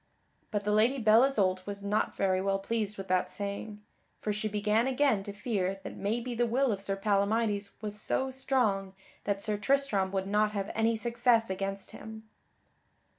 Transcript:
But the Lady Belle Isoult was not very well pleased with that saying, for she began again to fear that maybe the will of Sir Palamydes was so strong that Sir Tristram would not have any success against him.